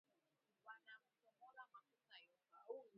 Banamuchomola makuta yote